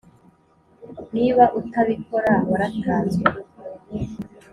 niba utabikora waratanzwe